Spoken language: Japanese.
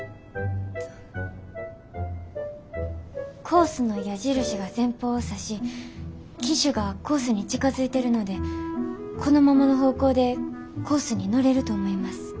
コースの矢印が前方を指し機首がコースに近づいてるのでこのままの方向でコースに乗れると思います。